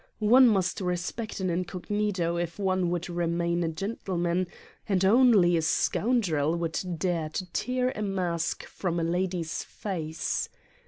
One must respect an incognito if one would remain a gen tleman and only a scoundrel would dare to tear a mask from a lady's face!